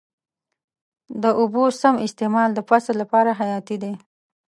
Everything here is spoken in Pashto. د اوبو سم استعمال د فصل لپاره حیاتي دی.